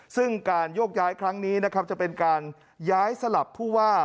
ซึ่งการโยกย้ายครั้งนี้นะครับจะเป็นการย้ายสลับผู้ว่า